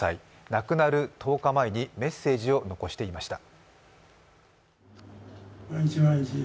亡くなる１０日前にメッセージを残していました。